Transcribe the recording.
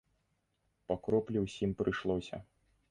Па кроплі ўсім прыйшлося.